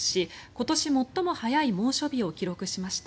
今年最も早い猛暑日を記録しました。